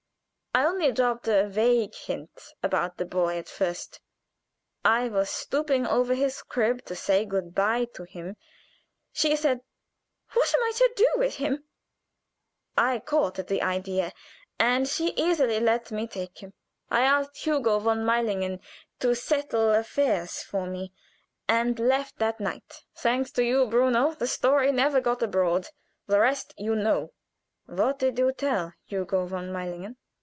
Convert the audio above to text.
I only dropped a vague hint about the boy at first; I was stooping over his crib to say good bye to him. She said, 'What am I to do with him?' I caught at the idea, and she easily let me take him. I asked Hugo von Meilingen to settle affairs for me, and left that night. Thanks to you, Bruno, the story never got abroad. The rest you know." "What did you tell Hugo von Meilingen?"